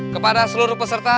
kepada seluruh peserta